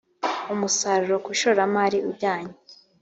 umusaruro ku ishoramari ujyanye